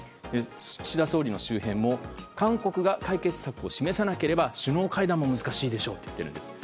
岸田総理の周辺も韓国が解決策を示さなければ首脳会談も難しいでしょうと言っているんです。